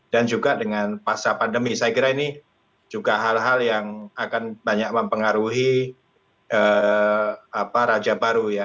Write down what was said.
dan juga dengan masa pandemi saya kira ini juga hal hal yang akan banyak mempengaruhi raja baru ya